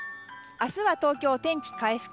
明日は東京、天気回復。